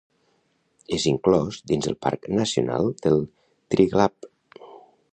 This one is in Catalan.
És inclòs dins el parc nacional del Triglav.